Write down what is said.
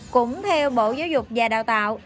cũng theo bộ giáo dục và đào tạo